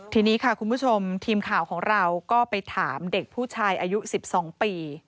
ทีนี้ค่ะคุณผู้ชมทีมข่าวของเราก็ไปถามเด็กผู้ชายอายุ๑๒ปี